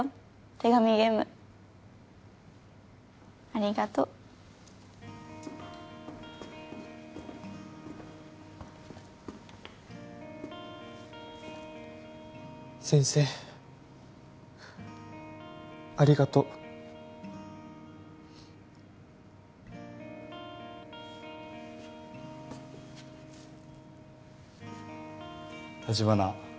手紙ゲームありがとう先生ありがとう立花